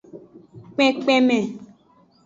Kpenkpenme.